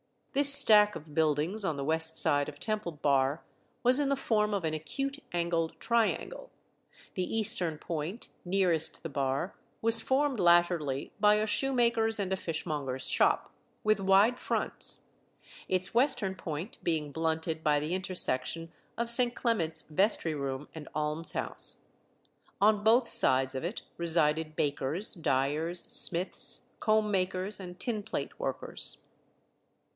This stack of buildings on the west side of Temple Bar was in the form of an acute angled triangle; the eastern point, nearest the Bar, was formed latterly by a shoemaker's and a fishmonger's shop, with wide fronts; its western point being blunted by the intersection of St. Clement's vestry room and almshouse. On both sides of it resided bakers, dyers, smiths, combmakers, and tinplate workers.